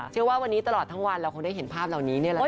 เชื่อว่าวันนี้ตลอดทั้งวันเราคงได้เห็นวันนี้แหละเนอะ